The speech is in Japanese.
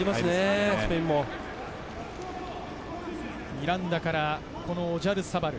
ミランダからオジャルサバル。